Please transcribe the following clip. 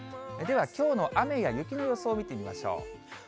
ではきょうの雨や雪の予想を見てみましょう。